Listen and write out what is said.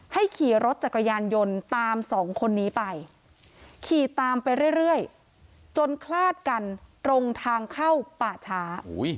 ขี่รถจักรยานยนต์ตามสองคนนี้ไปขี่ตามไปเรื่อยจนคลาดกันตรงทางเข้าป่าช้า